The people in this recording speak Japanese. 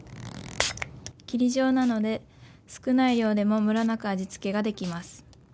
霧状なので少ないようでもムラなく味付けができます。